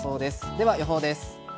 では、予報です。